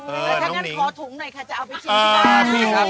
เออหลังนั้นขอถุงหน่อยค่ะจะเอาไปชิมด้วย